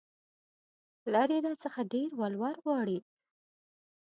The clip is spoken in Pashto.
پلار يې راڅخه ډېر ولور غواړي